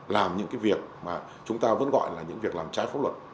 làm những cái việc mà chúng ta vẫn gọi là những việc làm trái pháp luật